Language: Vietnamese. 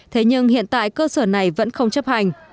thế nhưng hiện tại cơ sở này vẫn không chấp hành